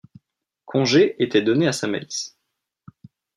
Congé était donné à sa malice.